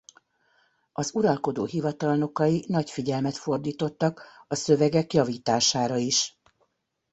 Az uralkodó hivatalnokai nagy figyelmet fordítottak a szövegek javítására is.